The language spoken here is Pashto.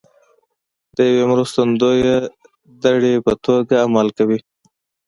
د یوې مرستندویه دړې په توګه عمل کوي